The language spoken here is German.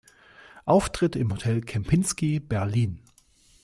Auftritt im Hotel Kempinski Berlin.